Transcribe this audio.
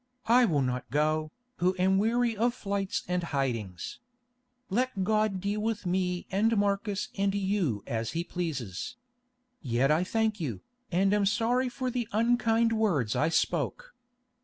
"I will not go, who am weary of flights and hidings. Let God deal with me and Marcus and you as He pleases. Yet I thank you, and am sorry for the unkind words I spoke.